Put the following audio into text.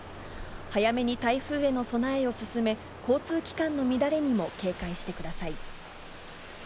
早めに台風への備えを進め、交通機関の乱れにも警戒してください。